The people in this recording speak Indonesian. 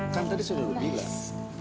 kan tadi saya udah bilang